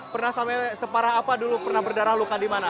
pernah sampai separah apa dulu pernah berdarah luka dimana